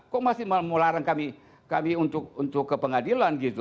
kok masih melarang kami untuk ke pengadilan gitu